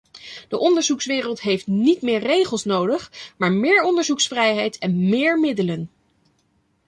De onderzoekswereld heeft niet meer regels nodig, maar meer onderzoeksvrijheid en meer middelen.